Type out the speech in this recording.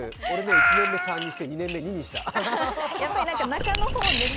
１年目、３にして、２年目、２にした。